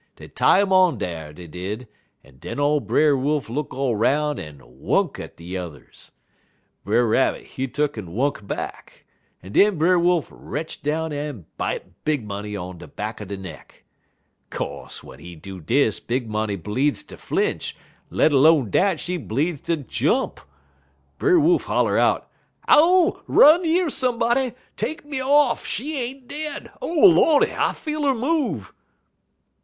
Dey tie 'im on dar, dey did, en den ole Brer Wolf look all 'roun' en wunk at de yuthers. Brer Rabbit, he tuck'n wunk back, en den Brer Wolf retch down en bite Big Money on de back er de neck. Co'se, w'en he do dis, Big Money bleedz ter flinch; let 'lone dat, she bleedz ter jump. Brer Wolf holler out: "'Ow! Run yer somebody! Take me off! She ain't dead! O Lordy! I feel 'er move!'